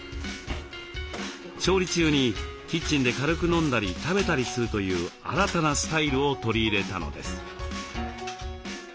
調理中にキッチンで軽く飲んだり食べたりするという新たなスタイルを取り入れたのです。